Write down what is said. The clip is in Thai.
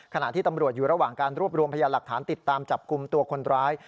ขณะที่ตำรวจอยู่ระหว่างการรวบรวมพยานหลักฐานติดตามจับกลุ่มตัวคนร้าย